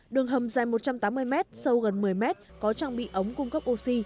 đường hầm dài một trăm tám mươi m sâu gần một mươi mét có trang bị ống cung cấp oxy